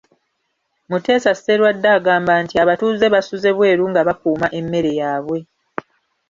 Muteesa Sserwadda agamba nti abatuuze basuze bweru nga bakuuma emmere yaabwe